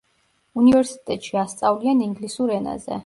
უნივერსიტეტში ასწავლიან ინგლისურ ენაზე.